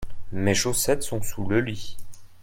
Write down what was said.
mes chaussettes sont sous le lit.